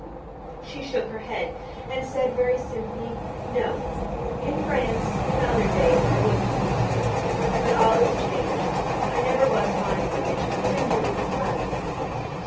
She shook her head and said very simply "No: in France, in other days, I would have minded; but all is changed. I never was fond of religion, but I knew it was right.